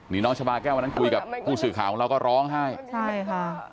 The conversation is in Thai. นี่น้องชาบาแก้ววันนั้นคุยกับผู้สื่อข่าวของเราก็ร้องไห้ใช่ค่ะ